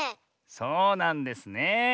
そうなんですねえ。